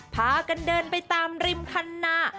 พากันเดินไปตามริมคันนา